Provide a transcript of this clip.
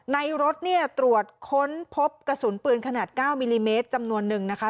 รถเนี่ยตรวจค้นพบกระสุนปืนขนาด๙มิลลิเมตรจำนวนนึงนะคะ